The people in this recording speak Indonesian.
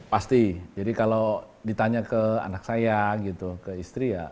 pasti jadi kalau ditanya ke anak saya gitu ke istri ya